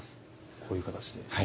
こういう形で。